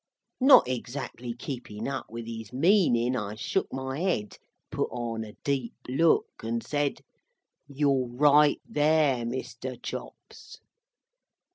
Not exactly keepin up with his meanin, I shook my head, put on a deep look, and said, "You're right there, Mr. Chops."